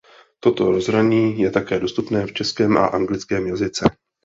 Toto rozhraní je také dostupné v českém a anglickém jazyce.